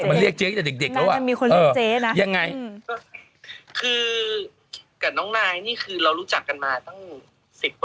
เจ๊มันเรียกเจ๊กับเด็กแล้วอ่ะคือกับน้องนายนี่คือเรารู้จักกันมาตั้ง๑๐ปี